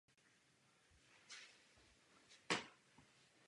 Zakladateli jsou bratři Petr a Martin Hrubý.